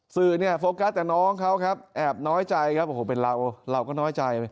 ซู่ฟโก๊กัสแต่น้องเขาครับแอบน้อยใจโอ้โหเป็นเราก็น้อยใจ